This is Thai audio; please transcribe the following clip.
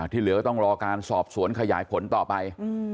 ที่เหลือก็ต้องรอการสอบสวนขยายผลต่อไป